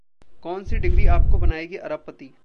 कौन सी डिग्री आपको बनाएगी अरबपति